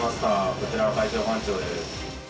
こちら海上保安庁です。